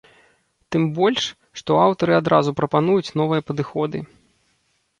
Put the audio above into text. Тым больш, што аўтары адразу прапануюць новыя падыходы.